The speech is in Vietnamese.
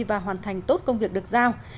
và hoàn thành tốt công việc được giao